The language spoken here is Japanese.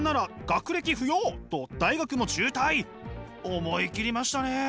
思い切りましたね。